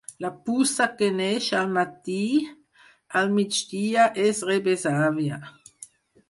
La puça que neix al matí, al migdia és rebesàvia.